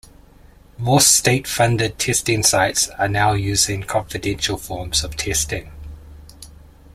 More state funded testing sites are now using confidential forms of testing.